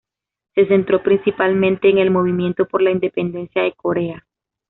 Se centró principalmente en el Movimiento por la independencia de Corea.